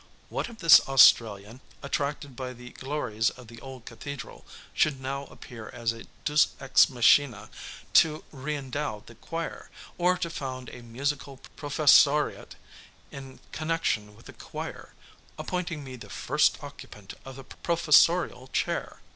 What if this Australian, attracted by the glories of the old cathedral, should now appear as a deus ex machina to reëndow the choir, or to found a musical professoriate in connection with the choir, appointing me the first occupant of the professorial chair?